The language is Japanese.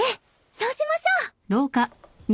そうしましょう。